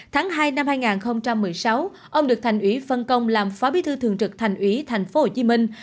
tháng hai năm hai nghìn một mươi sáu ông được thành ủy phân công làm phó bí thư thường trực thành ủy thành phố hồ chí minh